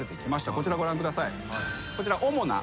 こちらご覧ください。